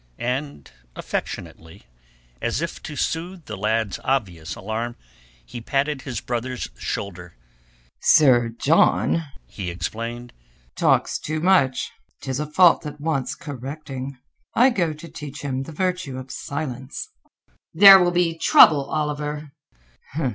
And affectionately, as if to soothe the lad's obvious alarm, he patted his brother's shoulder. "Sir John," he explained, "talks too much. 'Tis a fault that wants correcting. I go to teach him the virtue of silence." "There will be trouble, Oliver."